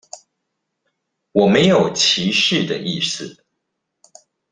我沒有歧視的意思